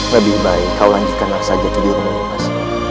lebih baik kau lanjutkan langkah saja tidurmu nimas